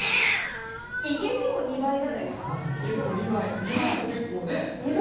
いけても２倍じゃないですか。